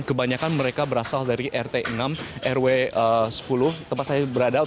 kebanyakan mereka berasal dari rt enam rw sepuluh tempat saya berada